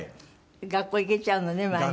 学校行けちゃうのね毎日。